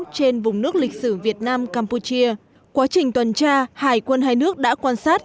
trên vùng nước lịch sử việt nam campuchia quá trình tuần tra hải quân hai nước đã quan sát